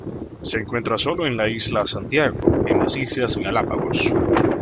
Se encuentra sólo en la Isla Santiago, en las Islas Galápagos.